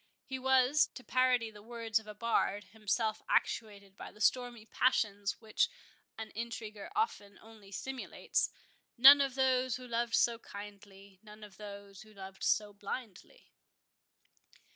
He was, to parody the words of a bard, himself actuated by the stormy passions which an intriguer often only simulates,— None of those who loved so kindly, None of those who loved so blindly.